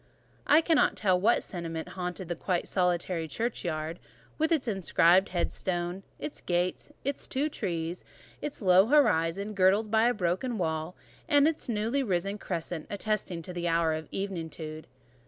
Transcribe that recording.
I cannot tell what sentiment haunted the quite solitary churchyard, with its inscribed headstone; its gate, its two trees, its low horizon, girdled by a broken wall, and its newly risen crescent, attesting the hour of eventide.